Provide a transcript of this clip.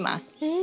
え。